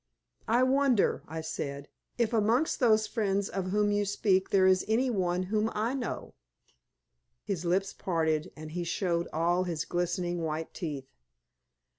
"I wonder," I said, "if amongst those friends of whom you speak there is any one whom I know." His lips parted, and he showed all his glistening white teeth.